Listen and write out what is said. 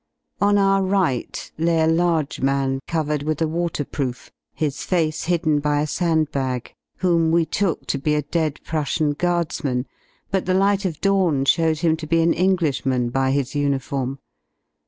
On our right lay a large man covered with a waterproof, his face hidden by a sand bag, whom we took to be a dead " Prussian Guardsman, but the light of dawn showed him to ^ be an Englishman by his uniform.